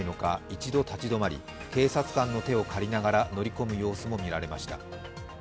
一度立ち止まり警察官の手を借りながら、乗り込む様子も見られました。